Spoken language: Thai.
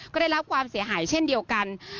ก็ได้รับความเสียหายเช่นเดียวกัน